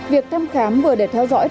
việc thăm khám vừa để theo dõi